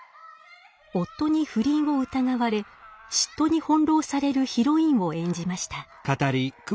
夫に不倫を疑われ嫉妬に翻弄されるヒロインを演じました。